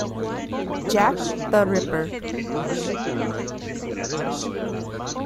Jack the Ripper".